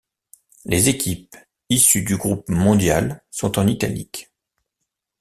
Les équipes issues du groupe mondial sont en italique.